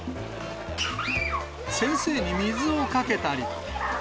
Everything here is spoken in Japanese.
先生に水をかけたり。